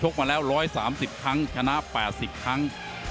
มาแล้ว๑๓๐ครั้งชนะ๘๐ครั้ง